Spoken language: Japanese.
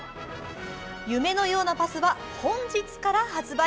夢のようなパスは本日から発売。